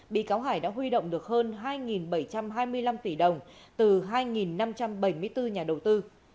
bị cáo hải đã huy động được hơn hai bảy trăm hai mươi năm tỷ đồng từ hai năm trăm bảy mươi bốn nhà đầu tư